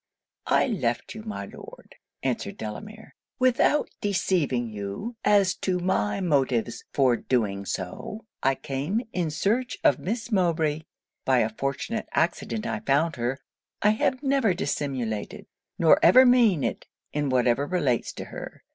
'I left you, my Lord,' answered Delamere, 'without deceiving you as to my motives for doing so. I came in search of Miss Mowbray. By a fortunate accident I found her. I have never dissimulated; nor ever mean it in whatever relates to her.